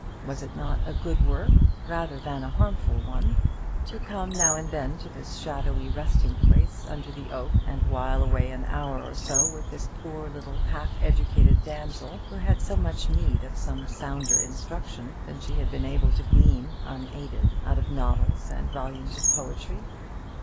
Was it not a good work rather than a harmful one to come now and then to this shadowy resting place under the oak, and while away an hour or so with this poor little half educated damsel, who had so much need of some sounder instruction than she had been able to glean, unaided, out of novels and volumes of poetry?